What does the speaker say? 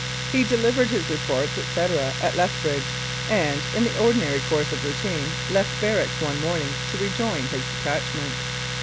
He delivered his reports, etc., at Leth bridge and, in the ordinary course of routine, left barracks one morning to rejoin his detachment.